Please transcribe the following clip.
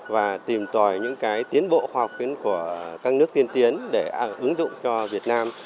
và tìm tòi những tiến bộ khoa học của các nước tiên tiến để ứng dụng cho việt nam